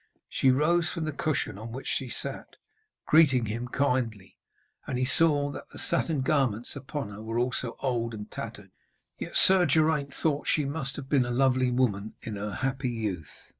She rose from the cushion on which she sat, greeting him kindly, and he saw that the satin garments upon her were also old and tattered. Yet Sir Geraint thought she must have been a lovely woman in her happy youth.